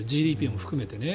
ＧＤＰも含めてね。